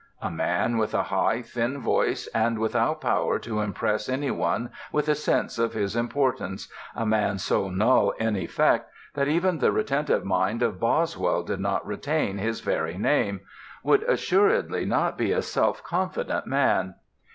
A man with a high, thin voice, and without power to impress any one with a sense of his importance, a man so null in effect that even the retentive mind of Boswell did not retain his very name, would assuredly not be a self confident man.